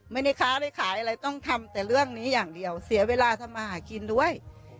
ไม่ได้ค้าได้ขายอะไรต้องทำแต่เรื่องนี้อย่างเดียวเสียเวลาทำมาหากินด้วย